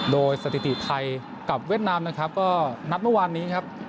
โดยสถิติไทยกับเวียดนามนะครับก็นัดเมื่อวานนี้ครับ